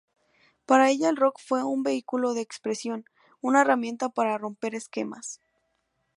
Para ella el rock fue un vehículo de expresión, una herramienta para romper esquemas.